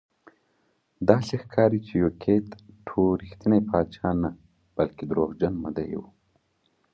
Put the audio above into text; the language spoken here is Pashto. داسې ښکاري چې یوکیت ټو رښتینی پاچا نه بلکې دروغجن مدعي و.